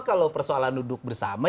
kalau persoalan duduk bersama